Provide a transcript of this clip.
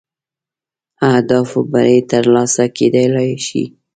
اهدافو بری تر لاسه کېدلای شي.